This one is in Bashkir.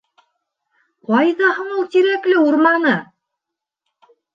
— Ҡайҙа һуң Тирәкле урманы?